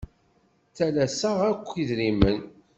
Ttalaseɣ-ak idrimen.